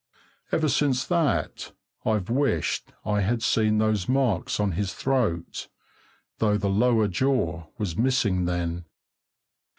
Ever since that I've wished I had seen those marks on his throat, though the lower jaw was missing then.